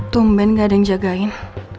tumben gak ada yang jagain